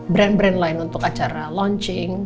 brand brand lain untuk acara launching